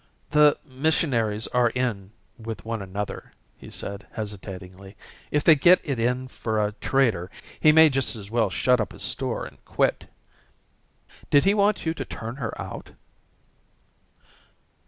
"The missionaries are in with one another," he said, hesitatingly. "If they get it in for a trader he may just as well shut up his store and quit." "Did he want you to turn her out?"